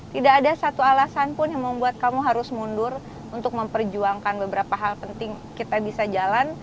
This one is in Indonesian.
tidak ada satu alasan pun yang membuat kamu harus mundur untuk memperjuangkan beberapa hal penting kita bisa jalan